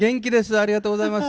ありがとうございます。